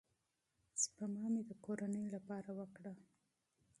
سپما مې د کورنۍ لپاره وکړه.